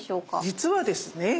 実はですね